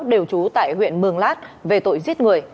đều trú tại huyện mường lát về tội giết người